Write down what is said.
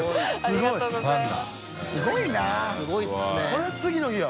これは次の日や。